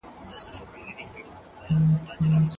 دا د یو ښه مشر او رهبر نښه ده.